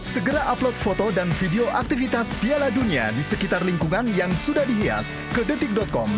segera upload foto dan video aktivitas piala dunia di sekitar lingkungan yang sudah dihias ke detik com